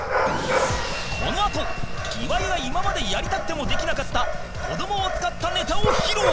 このあと岩井が今までやりたくてもできなかった子どもを使ったネタを披露！